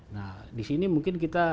nah di sini mungkin kita